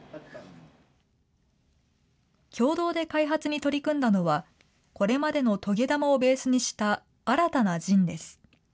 共同で開発に取り組んだのは、これまでの棘玉をベースにした新たなジンです。